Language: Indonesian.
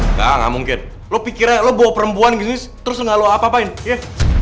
enggak gak mungkin lo pikirnya lo bawa perempuan gitu terus gak lo ngapain ya